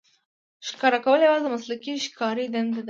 ښکار کول یوازې د مسلکي ښکاري دنده ده.